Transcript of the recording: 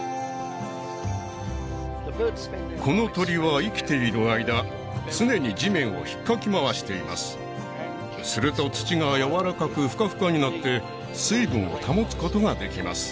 この鳥は生きている間常に地面を引っかき回していますすると土がやわらかくフカフカになって水分を保つことができます